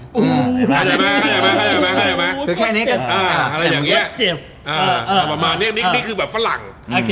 อูวววแค่นี้ก็แบบนี้คือแบบฝรั่ง